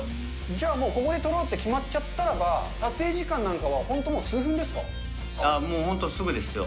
じゃあ、もうここで撮ろうと決まっちゃったらば、撮影時間なんかは本当ももう本当、すぐですよ。